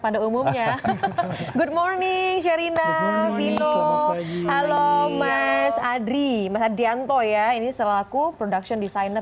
pada umumnya good morning sherina vino halo mas adri mas adianto ya ini selaku production designer